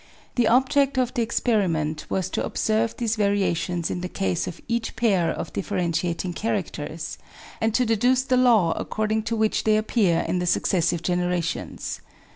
The object of the experiment was to observe these variations in the case of each pair of differentiating characters, and to deduce the law according to which they appear in the successive generations.